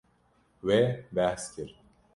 We behs kir.